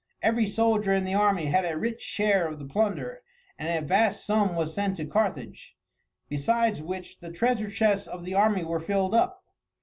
Every soldier in the army had a rich share of the plunder, and a vast sum was sent to Carthage; besides which the treasure chests of the army were filled up.